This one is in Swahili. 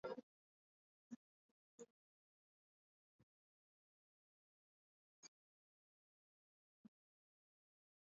Ripoti hiyo ilisema kuwa serikali inatumia vituo vya siri vinavyojulikana kama nyumba salama kuwakamata wapinzani na kuwatesa mateka